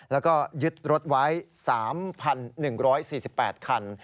แล้วก็ยึดรถไว้๓๑๔๘คัน